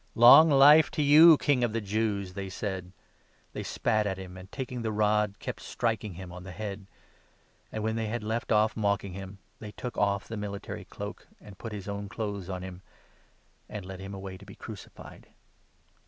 " Long life to you, King of the Jews !" they said. They spat at him and, taking the rod, kept striking him on 30 the head ; and, when they had left off mocking him, they took 31 off the military cloak, and put his own clothes on him, and led him away to be crucified.